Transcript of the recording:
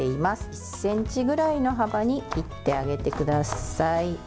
１ｃｍぐらいの幅に切ってあげてください。